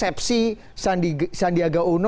membuat pengakuan yang palsu itu